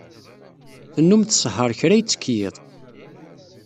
Tennum tsehheṛ kra itekk yiḍ.